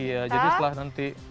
iya jadi setelah nanti